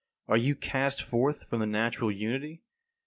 Are you cast forth from the natural unity?